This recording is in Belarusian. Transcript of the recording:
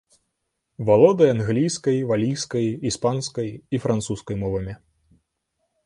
Валодае англійскай, валійскай, іспанскай і французскай мовамі.